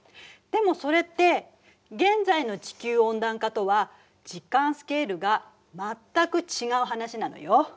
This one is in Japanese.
でもそれって現在の地球温暖化とは時間スケールが全く違う話なのよ。